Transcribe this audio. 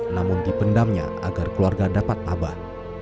namun dipendamnya agar keluarga dapat abah